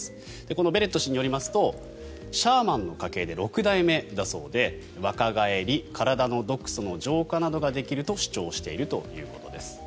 このベレット氏によりますとシャーマンの家系で６代目だそうで若返り体の毒素の浄化などができると主張しているということです。